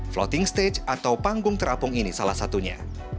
floating stage atau panggung terapung ini salah satunya